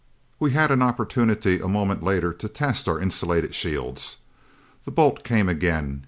We had an opportunity a moment later to test our insulated shields. The bolt came again.